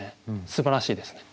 すばらしいですね。